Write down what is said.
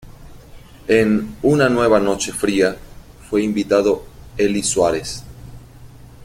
En "Una nueva noche fría", fue invitado Eli Suárez.